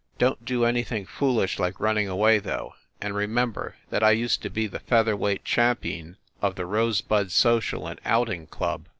Don t do anything foolish like running away, though; and remember that I used to be the feather weight champeen of the Rosebud Social and Outing Club."